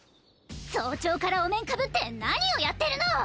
早朝からお面かぶって何をやってるの！？